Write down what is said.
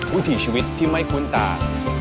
วิถีชีวิตที่ไม่คุ้นตา